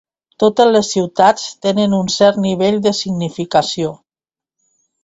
Totes les ciutats tenen un cert nivell de significació.